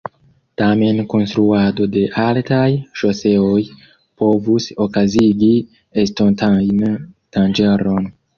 Tamen konstruado de altaj ŝoseoj povus okazigi estontajn danĝeron.